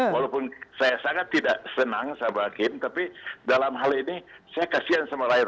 walaupun saya sangat tidak senang sama hakim tapi dalam hal ini saya kasian sama rakyat